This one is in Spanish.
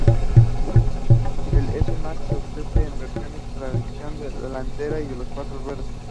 El S-Max se ofrece en versiones de tracción delantera y a las cuatro ruedas.